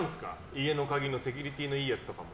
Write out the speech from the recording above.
家の鍵のセキュリティーのいいやつとかも。